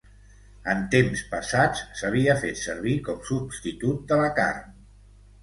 En temps passats s'havia fet servir com substitut de la carn.